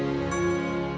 gue sama bapaknya